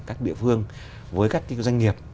các địa phương với các doanh nghiệp